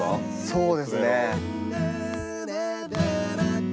そうですね。